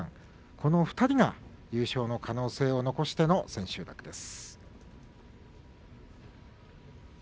この２人が優勝の可能性を残しての千秋楽です。